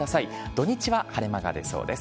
土日は晴れ間が出そうです。